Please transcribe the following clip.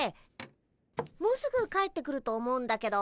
もうすぐ帰ってくると思うんだけど。